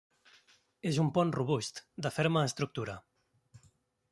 És un pont robust, de ferma estructura.